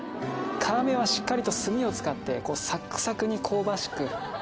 皮目はしっかりと炭を使ってさっくさくに香ばしく。